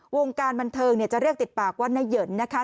วงการบันเทิงจะเรียกติดปากว่าน้าเหยินนะคะ